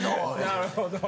なるほど。